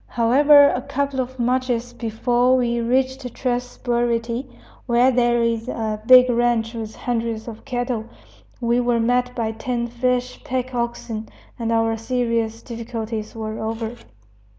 However, a couple of marches before we reached Tres Burity, where there is a big ranch with hundreds of cattle, we were met by ten fresh pack oxen, and our serious difficulties were over.